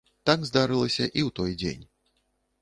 Так здарылася і ў той дзень.